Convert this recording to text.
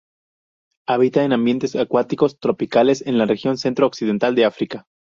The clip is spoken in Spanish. Habita en ambientes acuáticos tropicales en la región centro-occidental de África.